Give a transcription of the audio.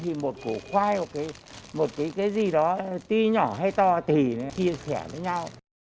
thì một cổ khoai một cái gì đó ti nhỏ hay to thì chia sẻ với nhau